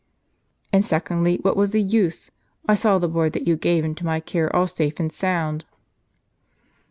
And, secondly, what was the use? I saw the board that you gave into my care all safe and sound."